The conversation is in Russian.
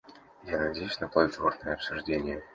Я надеюсь на плодотворное обсуждение.